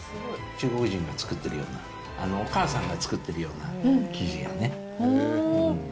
中国人が作ってるような、お母さんが作ってるような生地やね。